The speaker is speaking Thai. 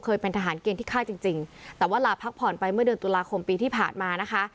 เป็นทหารเกณฑ์ที่ฆ่าจริงจริงแต่ว่าลาพักผ่อนไปเมื่อเดือนตุลาคมปีที่ผ่านมานะคะ